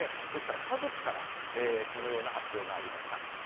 ですから家族からこのような発表がありました。